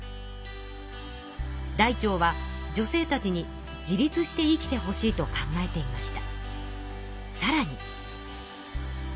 らいてうは女性たちに自立して生きてほしいと考えていました。